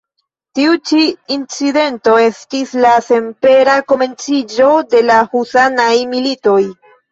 Tiu ĉi incidento estis la senpera komenciĝo de la husanaj militoj.